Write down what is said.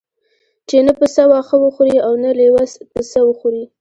چې نه پسه واښه وخوري او نه لېوه پسه وخوري.